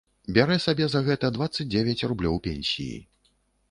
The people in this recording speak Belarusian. Бярэ сабе за гэта дваццаць дзевяць рублёў пенсіі.